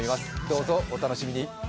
どうぞお楽しみに。